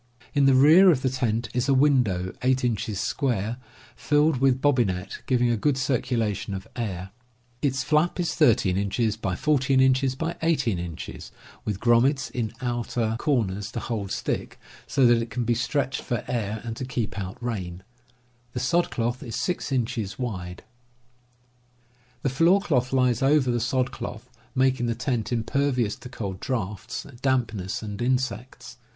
In the rear of the tent is a window, 8 inches square, filled with bobbinet, giving a good circulation of air. Its flap is 13x14x18 inches, with grommets in outer Fig. 1. winetoiir Fig. 2. TENTS AND TOOLS 47 corners to hold stick, so that it can be stretched for air, and to keep out rain. The sod cloth is 6 inches wide. (Fig. 3.) The floor cloth lies over the sod cloth, making the tent impervious to cold draughts, dampness, and insects.